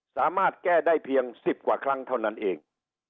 สามารถแก้ได้เพียง๑๐กว่าครั้งเท่านั้นเอง